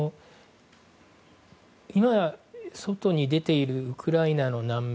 今、外に出ているウクライナの難民